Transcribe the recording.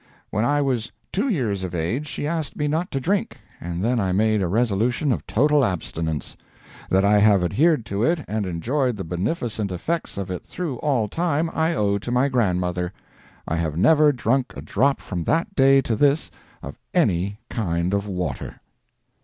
When I was two years of age she asked me not to drink, and then I made a resolution of total abstinence. That I have adhered to it and enjoyed the beneficent effects of it through all time, I owe to my grandmother. I have never drunk a drop from that day to this of any kind of water.